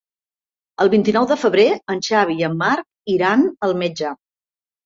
El vint-i-nou de febrer en Xavi i en Marc iran al metge.